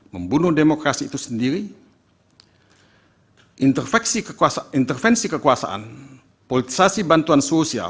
membunuh demokrasi itu sendiri hai interaksi kekuasaan intervensi kekuasaan politisasi bantuan